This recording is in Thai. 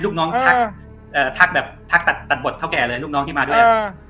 ลูกน้องทักตัดบทเทาแก่เลยลูกน้องที่มาด้วย